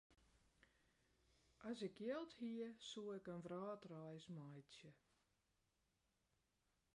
As ik jild hie, soe ik in wrâldreis meitsje.